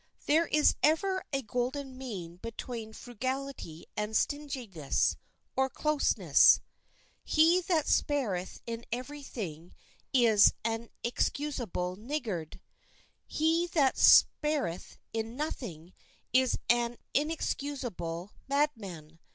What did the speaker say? There is ever a golden mean between frugality and stinginess, or closeness. He that spareth in every thing is an inexcusable niggard; he that spareth in nothing is an inexcusable madman.